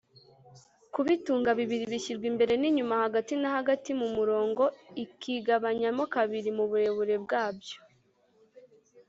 kubitunga bibiri bishyirwa imbere n’inyuma hagati na hagati mu murongo ikigabanyamo kabiri mu burebure bwabyo